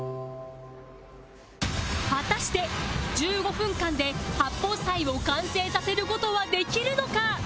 果たして１５分間で八宝菜を完成させる事はできるのか？